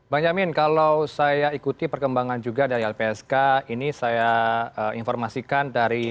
bang jamin kalau saya ikuti perkembangan juga dari lpsk ini saya informasikan dari